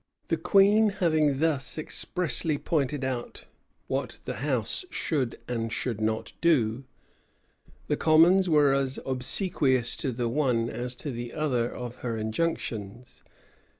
[] The queen having thus expressly pointed out both what the house should and should not do, the commons were as obsequious to the one as to the other of her injunctions.